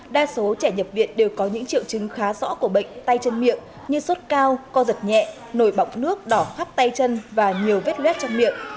đa số trẻ nhập viện đều có những triệu chứng khá rõ của bệnh tay chân miệng như sốt cao co giật nhẹ nổi bọng nước đỏ khắp tay chân và nhiều vết luet trong miệng